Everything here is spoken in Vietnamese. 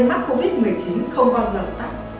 mắc covid một mươi chín không bao giờ tắt